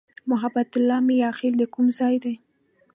محبت الله "میاخېل" د کوم ځای دی؟